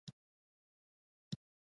ویداګانې د هندویزم مقدس کتابونه دي.